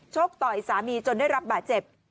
กต่อยสามีจนได้รับบาดเจ็บ